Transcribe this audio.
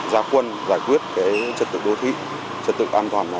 gia quân giải quyết trật tực đô thị trật tực an toàn